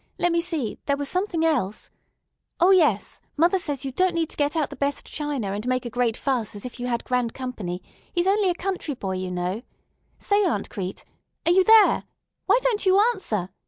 Let me see. There was something else. O, yes, mother says you don't need to get out the best china and make a great fuss as if you had grand company; he's only a country boy, you know. Say, Aunt Crete. Are you there? Why don't you answer?